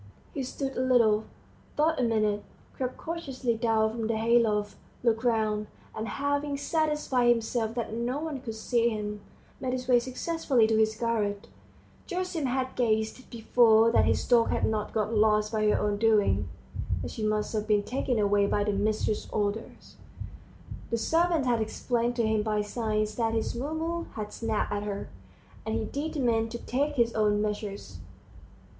... He stood a little, thought a minute, crept cautiously down from the hay loft, looked round, and having satisfied himself that no one could see him, made his way successfully to his garret. Gerasim had guessed before that his dog had not got lost by her own doing, that she must have been taken away by the mistress's orders; the servants had explained to him by signs that his Mumu had snapped at her, and he determined to take his own measures.